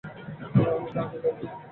আমি তাহাকে জানি না।